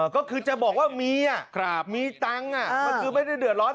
ก็คือจะบอกว่ามีมีตังค์มันคือไม่ได้เดือดร้อน